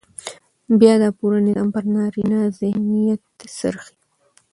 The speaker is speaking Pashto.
بيا دا پوره نظام پر نارينه ذهنيت څرخي.